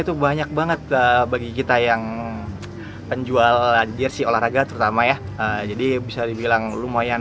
itu banyak banget bagi kita yang penjual jersi olahraga terutama ya jadi bisa dibilang lumayan